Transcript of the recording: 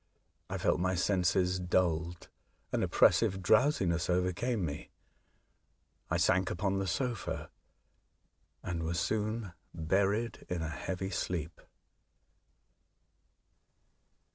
I felt my senses dulled, an oppressive drowsi ness overcame me, I sank upon the sofa, and was soon buried in a heavy sleep.